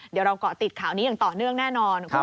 เดี๋ยวเราเกาะติดข่าวนี้อย่างต่อเนื่องแน่นอน